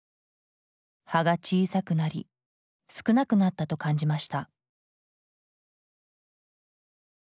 葉が小さくなり少なくなったと感じました。